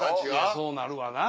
そうなるわな